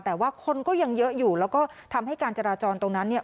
แต่ว่าคนก็ยังเยอะอยู่แล้วก็ทำให้การจราจรตรงนั้นเนี่ย